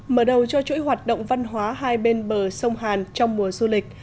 mở đầu cho chuỗi hoạt động văn hóa hai bên bờ sông hàn trong mùa du lịch